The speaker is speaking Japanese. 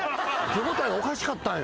手応えがおかしかったんよ。